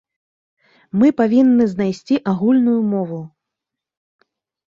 Мы павінны знайсці агульную мову.